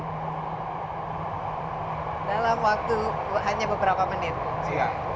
dalam waktu hanya beberapa menit